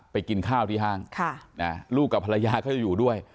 กินข้าวที่ห้างลูกกับภรรยาก็จะอยู่ด้วย